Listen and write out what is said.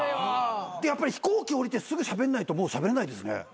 でやっぱり飛行機降りてすぐしゃべんないともうしゃべれないですね。